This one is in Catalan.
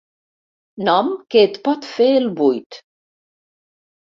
Nom que et pot fer el buit.